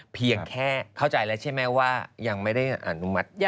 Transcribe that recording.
เพียงแค่เข้าใจแล้วใช่ไหมว่ายังไม่ได้อนุมัติ